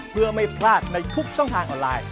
เพื่อไม่พลาดในทุกช่องทางออนไลน์